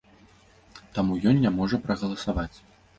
І таму ён не можа прагаласаваць.